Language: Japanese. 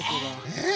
えっ！